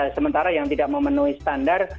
sementara yang tidak memenuhi standar